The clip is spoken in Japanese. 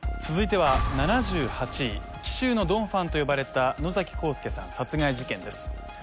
続いては７８位「紀州のドンファン」と呼ばれた野幸助さん殺害事件です